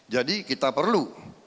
jadi kita perlu